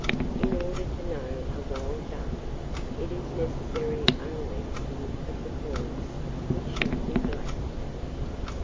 In order to know a wild duck, it is necessary only to look at the claws, which should be black.